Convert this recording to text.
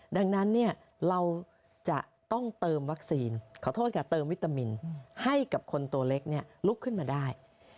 ดังนั้นเราจะต้องเติมวัคซีนขอโทษค่ะเติมวิตามินให้กับคนตัวเล็กลุกขึ้นมาได้